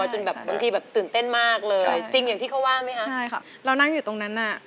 ใช่ค่ะเรานั่งอยู่ตรงนั้นน่ะ